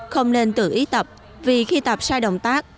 không nên tự ý tập vì khi tập sai động tác